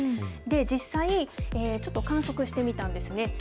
実際にちょっと観測してみたんですね。